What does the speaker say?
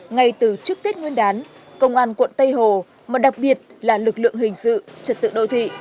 ngay từ trước tết nguyên đán công an quận tây hồ mà đặc biệt là lực lượng hình sự trật tự đô thị